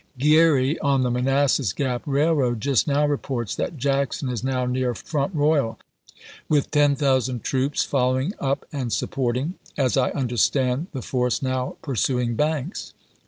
Geary, on the Manassas Gap Railroad, just now reports that Jackson is now near Front Royal with ten thousand troops, following up and supporting, as I understand, the force now pursuing Banks.